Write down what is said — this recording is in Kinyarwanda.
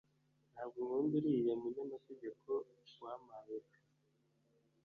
Ntabwo nkunda uriya munyamategeko wampaye akazi